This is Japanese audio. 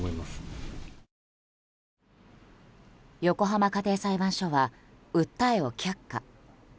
横浜家庭裁判所は訴えを却下。